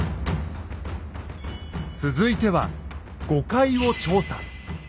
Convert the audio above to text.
続いては５階を調査。